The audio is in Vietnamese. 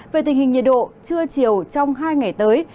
về tình hình nhiệt độ trưa chiều trong hai ngày tới